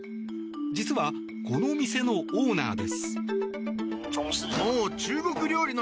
実は、この店のオーナーです。